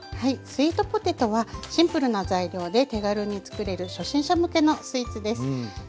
スイートポテトはシンプルな材料で手軽につくれる初心者向けのスイーツです。